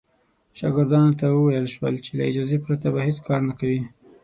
شاګردانو ته وویل شول چې له اجازې پرته به هېڅ کار نه کوي.